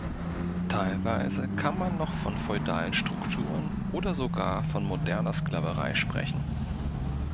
Teilweise kann man noch von feudalen Strukturen oder sogar von moderner Sklaverei sprechen.